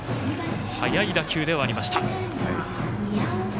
速い打球ではありました。